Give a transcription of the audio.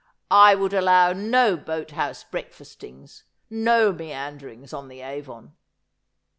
— I would allow no boat house breakfastings, no meanderings on the Avon.